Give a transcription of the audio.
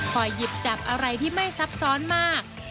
หยิบจับอะไรที่ไม่ซับซ้อนมาก